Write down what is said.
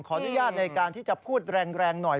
ขออนุญาตในการที่จะพูดแรงหน่อย